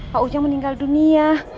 pak ujang meninggal dunia